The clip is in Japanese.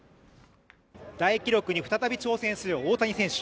大記録に再び挑戦する大谷選手。